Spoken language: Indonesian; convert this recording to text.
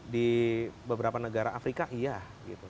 di beberapa negara afrika iya gitu